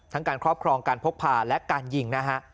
การครอบครองการพกพาและการยิงนะฮะ